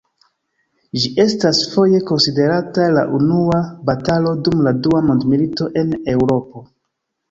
Ĝi estas foje konsiderata la unua batalo dum la dua mondmilito en Eŭropo.